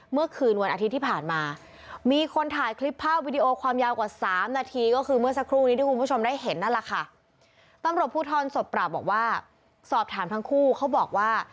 เมื่อคืนวันอาทิตย์ที่ผ่านมา